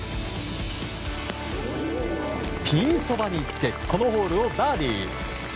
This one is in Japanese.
ピンそばにつけこのホールをバーディー！